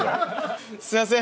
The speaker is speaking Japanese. すいません